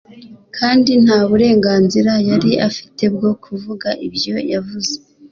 kandi nta burenganzira yari afite bwo kuvuga ibyo yavuze